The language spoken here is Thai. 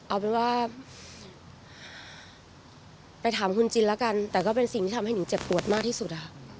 เอาเป็นว่าไปถามคุณจินแล้วกันแต่ก็เป็นสิ่งที่ทำให้หิงเจ็บปวดมากที่สุด